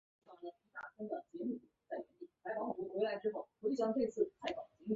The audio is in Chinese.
并且表示政府在履行此一职责时要注意勿偏袒特定宗教。